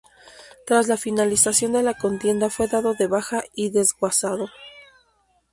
Tras la finalización de la contienda, fue dado de baja y desguazado